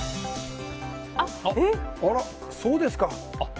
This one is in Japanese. あら、そうですか。